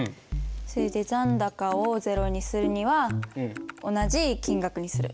それで残高をゼロにするには同じ金額にする。